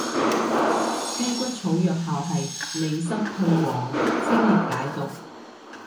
雞骨草藥效係利濕退黃清熱解毒